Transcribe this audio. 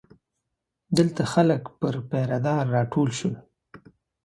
دلته خلک پر پیره دار راټول شول.